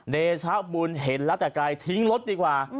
เดชะบุญเห็นแล้วแต่ไกลทิ้งรถดีกว่า